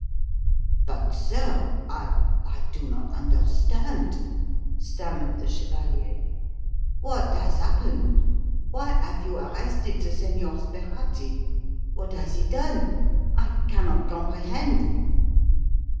"But, sir, I I do not understand," stammered the chevalier. "What has happened? Why have you arrested the Señor Sperati? What has he done? I cannot comprehend."